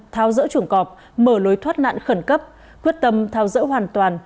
thao dỡ chuồng cọp mở lối thoát nạn khẩn cấp quyết tâm thao dỡ hoàn toàn